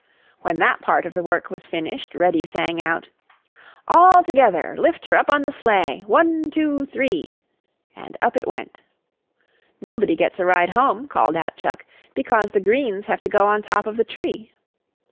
When that part of the work was finished, Reddy sang out: "All together! Lift her on the sled. One, two, three!" and up it went. "Nobody gets a ride home," called out Chuck, "because the greens have to go on top of the tree."